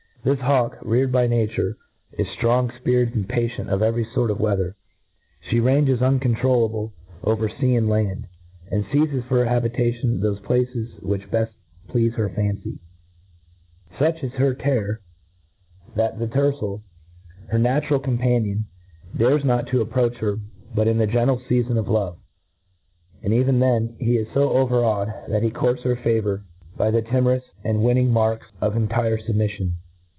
This hawk, reared by nature, is ftrong, fpirited, and patient of every fort of weather She ranges, uncontrollable, over fca and land ; and feizes for her habitation thofe places which beft pleafc her fancy. Such is her terror, that Z * the 178 A TREAT IS E OF . the tercel, her natural companion, dares not to ap ; proach her but in the gentle fcafonof love; and even then, he is fo overawed, that he courts her favour by the timorous and winning marks of intire fub miffion.